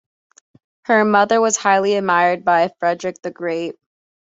Her mother was highly admired by Frederick the Great.